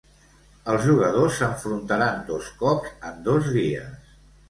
Els jugadors s'enfrontaran dos cops en dos dies.